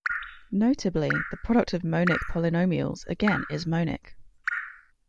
Notably, the product of monic polynomials again is monic.